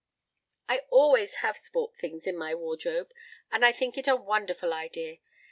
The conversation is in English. I always have sport things in my wardrobe and I think it a wonderful idea.